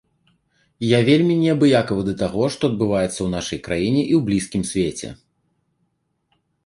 Я вельмі неабыякавы да таго, што адбываецца ў нашай краіне і ў блізкім свеце.